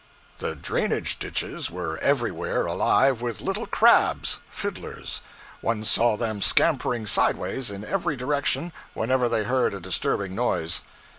The drainage ditches were everywhere alive with little crabs 'fiddlers.' One saw them scampering sidewise in every direction whenever they heard a disturbing noise.